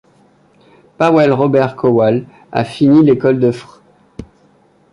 Paweł Robert Kował a fini l’école de Fr.